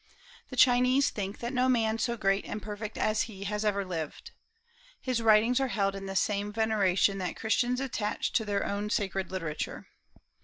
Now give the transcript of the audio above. The Chinese think that no man so great and perfect as he has ever lived. His writings are held in the same veneration that Christians attach to their own sacred literature.